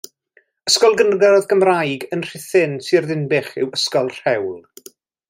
Ysgol gynradd Gymraeg yn Rhuthun, Sir Ddinbych, yw Ysgol Rhewl.